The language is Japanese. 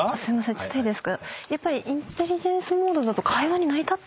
ちょっといいですか。